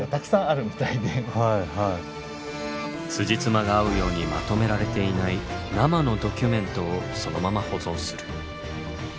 つじつまが合うようにまとめられていない生のドキュメントをそのまま保存する。